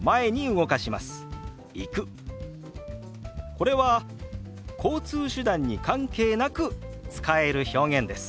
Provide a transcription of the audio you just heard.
これは交通手段に関係なく使える表現です。